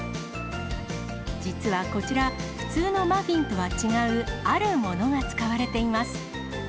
実はこちら、普通のマフィンとは違うあるものが使われています。